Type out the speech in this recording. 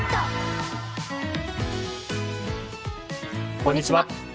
こんにちは。